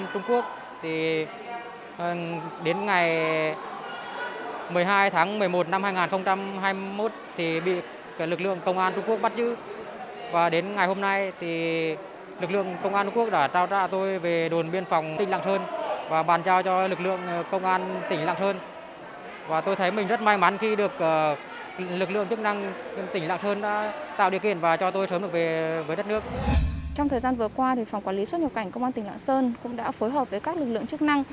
trong thời gian vừa qua phòng quản lý xuất nhập cảnh công an tỉnh lạng sơn cũng đã phối hợp với các lực lượng chức năng